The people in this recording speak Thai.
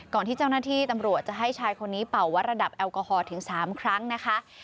ที่เจ้าหน้าที่ตำรวจจะให้ชายคนนี้เป่าวัดระดับแอลกอฮอลถึง๓ครั้งนะคะ